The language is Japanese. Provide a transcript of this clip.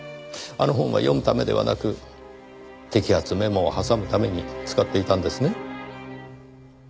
あの本は読むためではなく摘発メモを挟むために使っていたんですね？